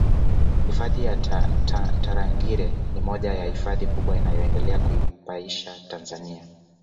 Hifadhi ya Tarangire ni moja ya Hifadhi kubwa inayoendelea kuipaisha Tanzania